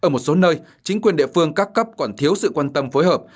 ở một số nơi chính quyền địa phương các cấp còn thiếu sự quan tâm phối hợp